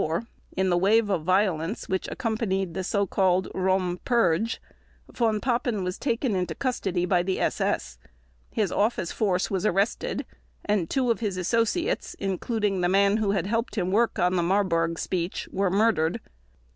On 30 June 1934, in the wave of violence which accompanied the so called Röhm Purge, Von Papen was taken into custody by the SS, his office force was arrested, and two of his associates, including the man who had helped him work on the Marburg speech, were murdered.